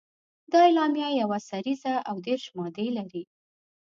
دا اعلامیه یوه سريزه او دېرش مادې لري.